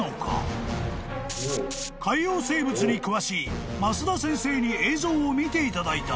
［海洋生物に詳しい益田先生に映像を見ていただいた］